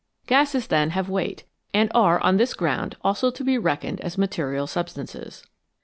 Gases, then, have weight, and are on this ground also to be reckoned as material substances.